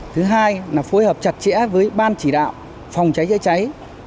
thứ hai là phối hợp chặt chẽ với ban chỉ đạo phòng cháy chữa cháy